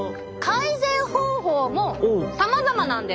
改善方法もさまざまなんです。